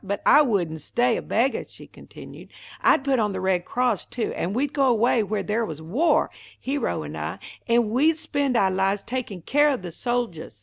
But I wouldn't stay a beggah," she continued. "I'd put on the Red Cross too, and we'd go away where there was war, Hero and I, and we'd spend ou' lives takin' care of the soldiahs.